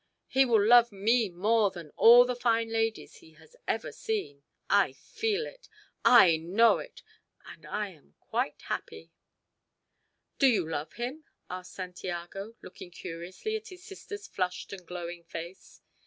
He will love me more than all the fine ladies he has ever seen. I feel it. I know it! And I am quite happy." "Do you love him?" asked Santiago, looking curiously at his sister's flushed and glowing face.